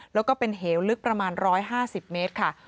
แล้วก็เป็นเหวลึกประมาณ๑๕๐เมตรค่ะ